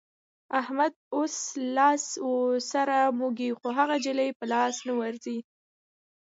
احمد اوس لاس سره موږي خو هغه نجلۍ په لاس نه ورځي.